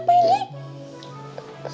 ya allah kenapa ini